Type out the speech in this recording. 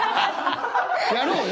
やろうよ。